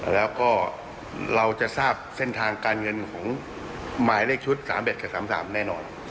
แล้วก็เราจะทราบเส้นทางการเงินของหมายเลขชุด๓๑กับ๓๓แน่นอน